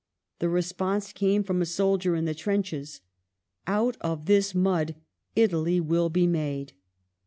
The response came from a soldier in the trenches: *'out of this mud Italy will be made